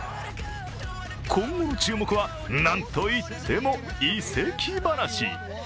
今後の注目は、なんといっても移籍話。